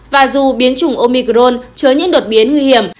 và dù biến chủng omicron chứa những đột biến nguy hiểm